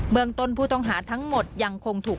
เมืองต้นผู้ต้องหาทั้งหมดยังคงถูก